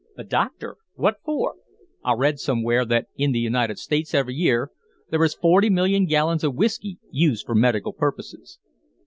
"A doctor? What for?" "I read somewhere that in the United States every year there is forty million gallons of whiskey used for medical purposes."